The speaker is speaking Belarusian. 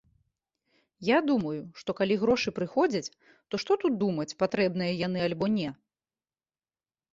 Я думаю, што калі грошы прыходзяць, то што тут думаць, патрэбныя яны альбо не.